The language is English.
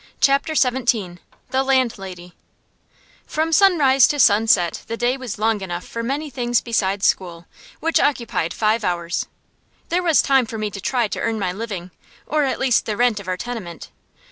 CHAPTER XVII THE LANDLADY From sunrise to sunset the day was long enough for many things besides school, which occupied five hours. There was time for me to try to earn my living; or at least the rent of our tenement.